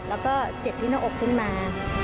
แล้วเจ็บที่ในอกขึ้นมา